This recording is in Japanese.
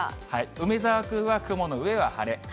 梅澤君は雲の上は晴れ。